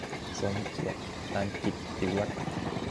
สมเกียรติ ตันกิตติวัฒน์